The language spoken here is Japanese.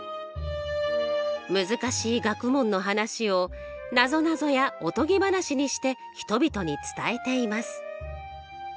難しい学問の話をなぞなぞやおとぎ話にして人々に伝えています。